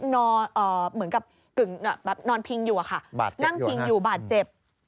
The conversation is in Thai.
เหมือนกับกึ่งนอนพิงอยู่อะค่ะนั่งพิงอยู่บาดเจ็บ